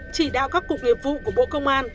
chỉ đạo các cục nghiệp vụ của bộ công an